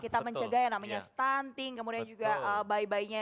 kita menjaga ya namanya stunting kemudian juga bayi bayinya